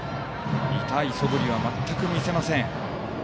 痛いそぶりは全く見せません。